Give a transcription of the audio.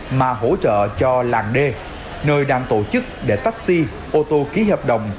đây làng d một chưa khai thác mà hỗ trợ cho làng d nơi đang tổ chức để taxi ô tô ký hợp đồng